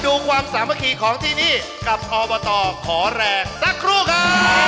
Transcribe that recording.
ดูความสามารถของที่นี่กับอพขอแรกสักครู่ค่ะ